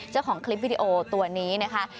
เจ้าของคลิปวิดีโอตัวนี้นะคะ